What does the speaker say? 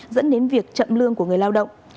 dẫn đến việc chậm lương của người lao động